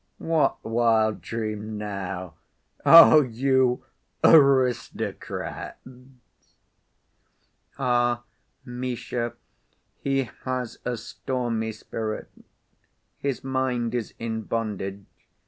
"What wild dream now? Oh, you—aristocrats!" "Ah, Misha, he has a stormy spirit. His mind is in bondage.